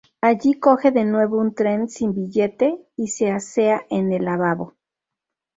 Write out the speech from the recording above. Allí coge de nuevo un tren sin billete y se asea en el lavabo.